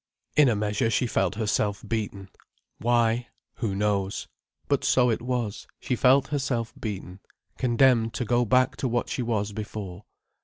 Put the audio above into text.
In a measure she felt herself beaten. Why? Who knows. But so it was, she felt herself beaten, condemned to go back to what she was before.